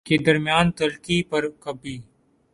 کے درمیان تلخی پر کبھی